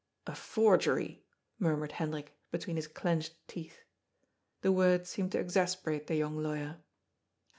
" A forgery," murmured Hendrik, between his clenched teeth. The word seemed to exasperate the young lawyer.